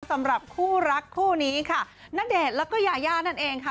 สำหรับคู่รักคู่นี้ค่ะณเดชน์แล้วก็ยายานั่นเองค่ะ